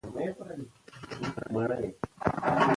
په لویدیځو هېوادونو کې کافي مشهور شو او د سوداګرۍ لپاره ګټوره شوه.